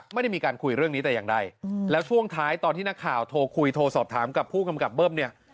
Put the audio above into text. ไม่ได้มีการคุยเรื่องนี้แต่อย่างใดแล้วช่วงท้ายตอนที่นักข่าวโทรคุยโทรสอบถามกับผู้กำกับเบิ้มเนี่ย